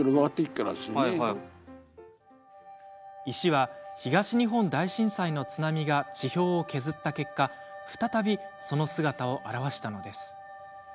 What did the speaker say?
石は東日本大震災の津波が地表を削った結果再び、その姿を現したのです。